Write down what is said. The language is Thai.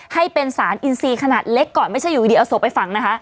ให้เป็นสารอินซีขนาดเล็กก่อนไม่ใช่อยู่ดีเอาศพไปฝังนะคะ